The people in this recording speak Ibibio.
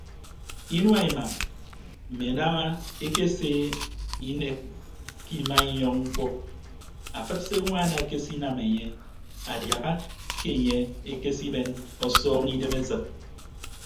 Inua imam mme daña ekese inek ke imainyọñ mkpọ afịd se añwaan ekesinam enye adiaha ke enye akese ben ọsọñ idem esịt.